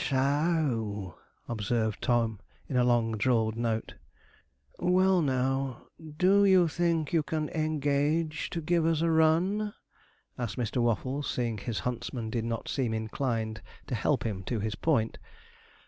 'S o o,' observed Tom, in a long drawled note. 'Well, now! do you think you can engage to give us a run?' asked Mr. Waffles, seeing his huntsman did not seem inclined to help him to his point.